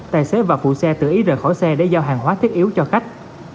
tài xế và phụ xe tự ý rời khỏi xe để giao hàng hóa thiết yếu cho khách